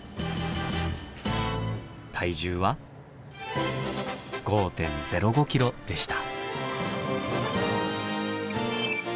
体重は５．０５ｋｇでした。